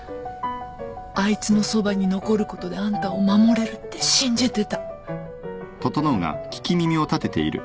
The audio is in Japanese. あいつのそばに残ることであんたを守れるって信じてた。